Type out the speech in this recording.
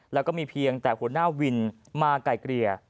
แล้วก็มีเพียงแต่หัวหน้าวินมาไก่เกลี่ย